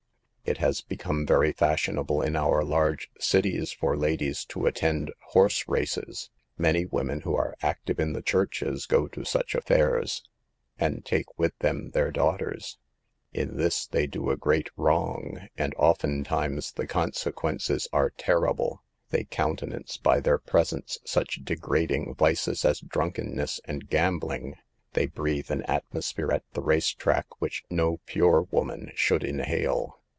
It has become very fashionable in our large cities for ladies to attend horse races. Many women who are active in the churches go to such affairs, and take with them their daugh ters. In this they do a great wrong, and oftentimes the consequences are terrible. They countenance by their presence such degrading vices as drunkenness and gambling. They breathe an atmosphere, at the race track, which no pure woman should inhale.